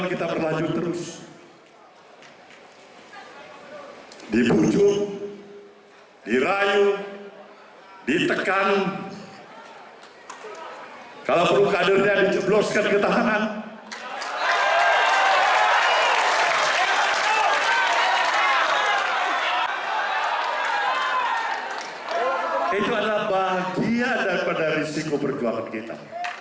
itu adalah bahagia daripada risiko perjuangan kita